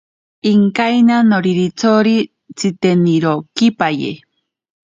Ikainta noriritsori tsitenirokipaye.